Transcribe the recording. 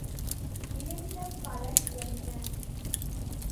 விளைந்த பலன் என்ன?